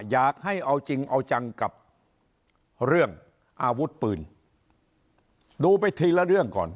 อยากให้เอาจริงเอาจังกับเรื่องอาวุธปืนดูไปทีละเรื่องก่อน